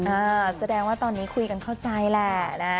อ่าแสดงว่าตอนนี้คุยกันเข้าใจแหละนะ